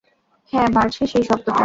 হ্যাঁ, বাড়ছে সেই শব্দটা!